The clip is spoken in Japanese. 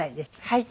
はい。